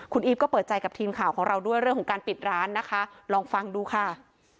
คุณอีฟก็เปิดใจกับทีมข่าวของเราด้วยเรื่องของการปิดร้านนะคะลองฟังดูค่ะ